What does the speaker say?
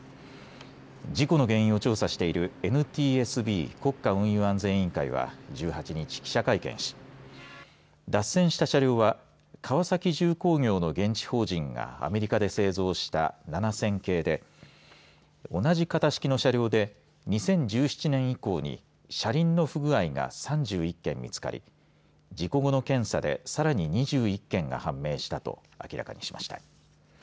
事故の原因を調査しているＮＴＳＢ、国家運輸安全委員会は１８日、記者会見し脱線した車両は川崎重工業の現地法人がアメリカで製造した７０００系で同じ型式の車両で２０１７年以降に車輪の不具合が３１件みつかり事故後の検査でさらに２１件が判明したと明らかにしました。